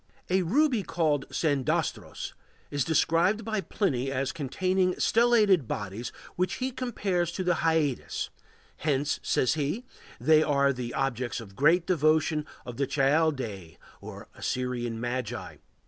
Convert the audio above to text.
] A ruby called sandastros is described by Pliny as containing stellated bodies which he compares to the Hyades; hence, says he, they are the objects of great devotion with the Chaldæi or Assyrian Magi.